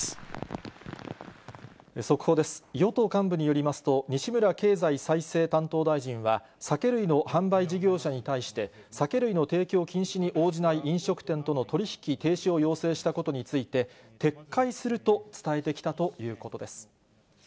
与党幹部によりますと、西村経済再生担当大臣は、酒類の販売事業者に対して、酒類の提供禁止に応じない飲食店との取り引き停止を要請したことについて、撤回すると伝えてきたということです。